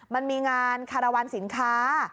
มันมีงานคารวรรณสินค้า